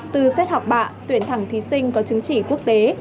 từ xét học bạ tuyển thẳng thí sinh có chứng chỉ quốc tế